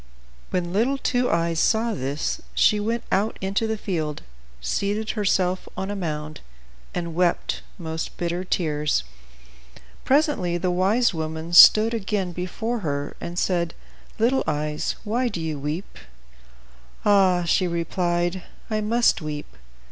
When little Two Eyes saw this, she went out into the field, seated herself on a mound, and wept most bitter tears. Presently the wise woman stood again before her, and said, "Little Two Eyes, why do you weep?" "Ah!" she replied, "I must weep.